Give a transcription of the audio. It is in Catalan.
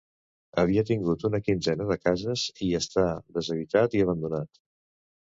Havia tingut una quinzena de cases i està deshabitat i abandonat.